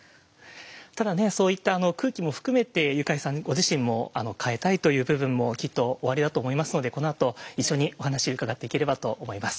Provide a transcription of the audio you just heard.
ただねそういった空気も含めてユカイさんご自身も変えたいという部分もきっとおありだと思いますのでこのあと一緒にお話伺っていければと思います。